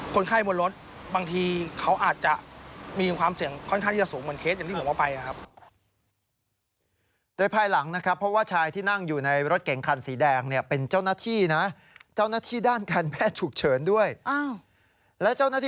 คนไข้บนรถบางทีเขาอาจจะมีความเสียงค่อนข้างที่จะสูง